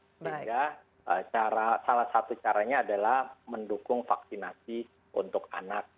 sehingga salah satu caranya adalah mendukung vaksinasi untuk anak